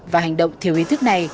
và hành động thiếu ý thức này